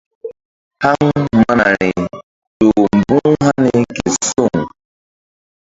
Haŋ manari ƴo mbu̧h hani ke suŋ.